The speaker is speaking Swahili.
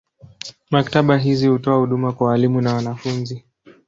Maktaba hizi hutoa huduma kwa walimu na wanafunzi.